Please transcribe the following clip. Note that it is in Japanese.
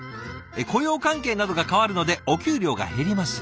「雇用関係などが変わるのでお給料が減ります。